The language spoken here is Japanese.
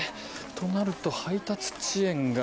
となると配達遅延が。